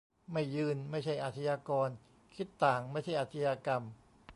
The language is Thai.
"ไม่ยืนไม่ใช่อาชญากร คิดต่างไม่ใช่อาชญากรรม"